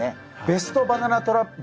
ベストバナナトラップ。